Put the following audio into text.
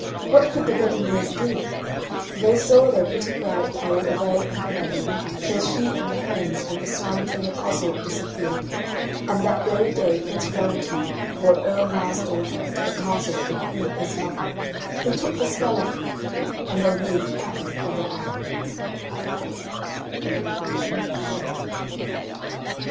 What could the weddineers do? They saw their pretty bride carried away and away till she and the herons and the swans and the goshawk disappeared, and that very day Prince Florentine brought Earl Mar's daughter to the castle of the queen his mother, who took the spell off him and they lived happy ever afterwards.